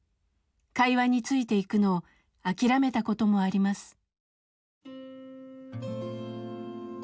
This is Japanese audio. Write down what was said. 会話についていくのを諦めたこともあります。